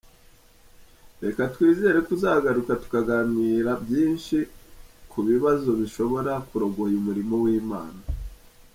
Reka twizere ko uzagaruka tukaganira byinshi ku bibazo bishobora kurogoya umurimo w’Imana.